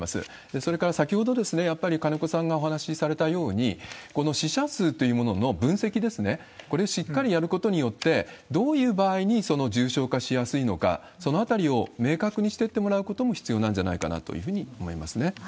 それから、先ほど、やっぱり金子さんがお話しされたように、この死者数というものの分析ですね、これをしっかりやることによって、どういう場合に重症化しやすいのか、そのあたりを明確にしてってもらうことも必要なんじゃないかなというふうに思いますね。